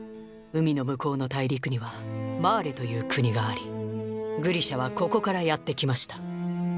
海の向こうの大陸には「マーレ」という国がありグリシャはここからやって来ました。